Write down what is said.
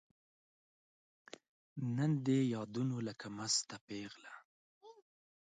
نن دي یادونو لکه مسته پیغله